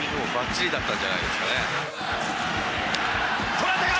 捉えたか？